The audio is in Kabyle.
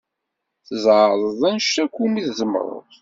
Tzeɛḍeḍ anect akk umi tzemreḍ.